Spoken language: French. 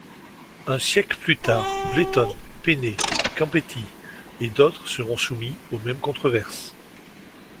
Un siècle plus tard, Bletton, Pennet, Campetti et d'autres seront soumis aux mêmes controverses.